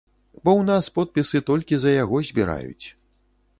Бо ў нас подпісы толькі за яго збіраюць.